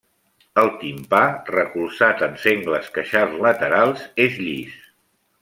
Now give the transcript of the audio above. El timpà, recolzat en sengles queixals laterals, és llis.